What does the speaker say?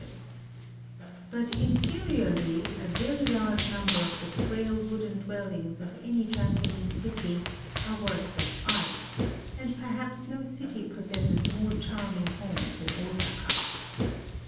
IN OSAKA 173 But interiorly a very large number of the frail wooden dwellings of any Japanese city are works of art ; and perhaps no city pos sesses more charming homes than Osaka.